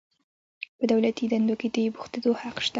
په دولتي دندو کې د بوختیدو حق شته.